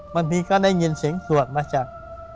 บางทีก็ได้ยินเสียงสวดมาจาก